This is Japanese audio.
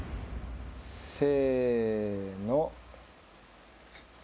せの。